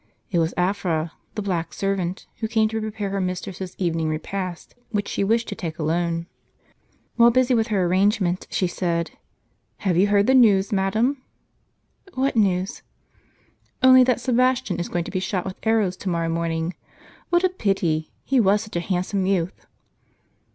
It was Afra, the black servant, who came to prepare her mistress's evening repast, which she wished to take alone. While busy with her arrangements, she said, "Have you heard the news, madam ?" "What news?" " Only that Sebastian is going to be shot with arrows to morrow morning. What a pity ; he was such a handsome youth